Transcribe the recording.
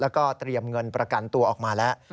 แล้วก็เตรียมเงินประกันตัวออกมาแล้ว